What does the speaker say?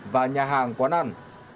và nhà hàng quán ăn